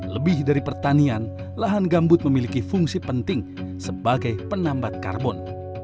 lebih dari pertanian lahan gambut memiliki fungsi penting sebagai penambat karbon